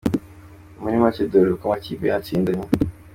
Muri make dore uko amakipe yatsindanye; .